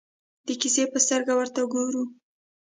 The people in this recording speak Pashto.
د کیسې په سترګه ورته ګورو.